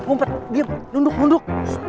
ngumpet diam nunduk nunduk